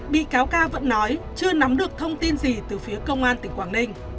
bị cáo ca vẫn nói chưa nắm được thông tin gì từ phía công an tỉnh quảng ninh